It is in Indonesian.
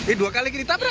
eh dua kali lagi ditabrak